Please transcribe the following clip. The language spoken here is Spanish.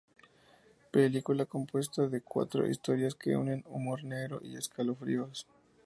Película compuesta de cuatro historias que unen humor negro y escalofríos.